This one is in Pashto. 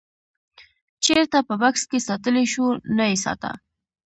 چېرته په بکس کې ساتلی شوو نه یې ساته.